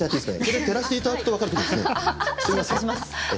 失礼いたします。